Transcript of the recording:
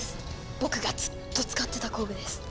僕がずっと使ってた工具です。